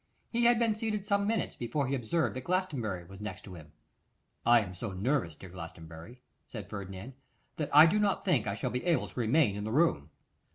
He had been seated some minutes before he observed that Glastonbury was next to him. 'I am so nervous, dear Glastonbury,' said Ferdinand, 'that I do not think I shall be able to remain in the room.